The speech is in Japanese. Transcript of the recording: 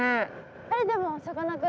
えでもさかなクン。